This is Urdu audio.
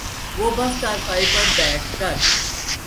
وہ بس چارپائی پر بیٹھ کر